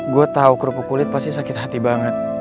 gue tahu kerupuk kulit pasti sakit hati banget